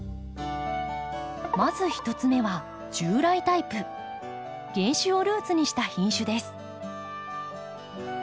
まず１つ目は原種をルーツにした品種です。